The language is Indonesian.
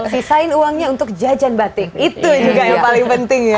sisain uangnya untuk jajan batik itu juga yang paling penting ya